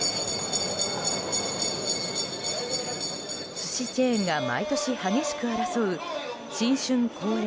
寿司チェーンが毎年激しく争う新春恒例